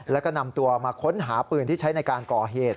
แล้วก็นำตัวมาค้นหาปืนที่ใช้ในการก่อเหตุ